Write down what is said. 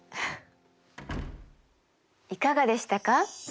いかがでしたか？